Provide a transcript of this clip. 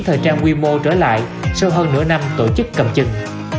thời trang quy mô trở lại sau hơn nửa năm tổ chức cầm chừng